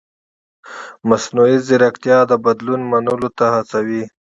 مصنوعي ځیرکتیا د بدلون منلو ته هڅوي.